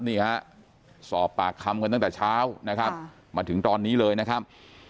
นี่ฮะสอบปากคำกันตั้งแต่เช้านะครับมาถึงตอนนี้เลยนะครับ